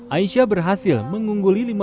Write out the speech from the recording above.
aisyah berhasil mengungguli